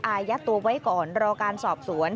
อายัดตัวไว้ก่อนรอการสอบสวน